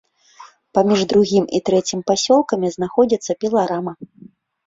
Паміж другім і трэцім пасёлкамі знаходзіцца піларама.